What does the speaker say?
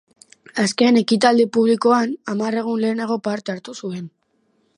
Azken ekitaldi publikoan hamar egun lehenago parte hartu zuen.